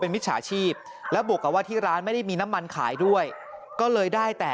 หลังจากพบศพผู้หญิงปริศนาตายตรงนี้ครับ